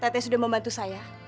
tete sudah membantu saya